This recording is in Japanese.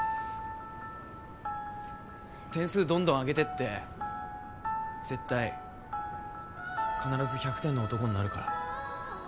点数どんどん上げてって絶対必ず１００点の男になるから。